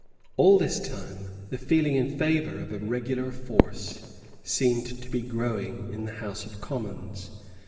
All this time the feeling in favour of a regular force seemed to be growing in the House of Commons.